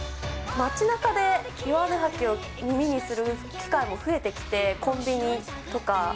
街なかで、ヨワネハキを耳にする機会も増えてきて、コンビニとか。